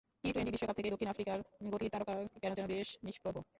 T twenty বিশ্বকাপ থেকেই দক্ষিণ আফ্রিকার গতি তারকা কেন যেন বেশ নিষ্প্রভ।